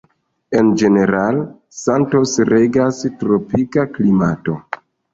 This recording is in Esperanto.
En General Santos regas tropika klimato.